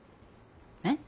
えっ？